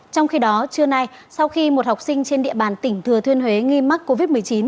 trong khi đó trưa nay sau khi một học sinh trên địa bàn tỉnh thừa thiên huế nghi mắc covid một mươi chín